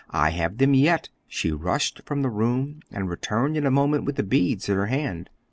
I have them yet!" She rushed from the room and returned in a moment with the beads in her hand.